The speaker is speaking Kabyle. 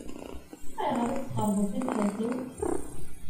Ayɣer i tesxeṛbeḍ tibḥirt-iw?